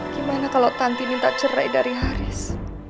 gimana kalau tanti minta cerai dari haris